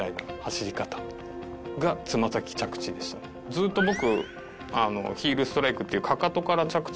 ずっと僕。